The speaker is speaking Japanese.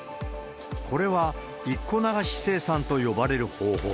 これは１個流し生産と呼ばれる方法。